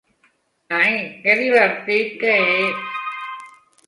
Ai que divertit que és!